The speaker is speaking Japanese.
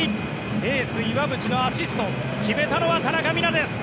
エース、岩渕のアシスト決めたのは田中美南です。